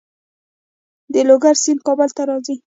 د لوګر سیند کابل ته راځي